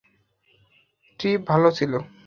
Trip ভালো ছিল?